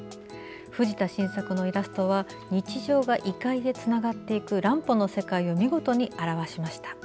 藤田新策のイラストは日常が異界へつながっていく乱歩の世界を見事に表しました。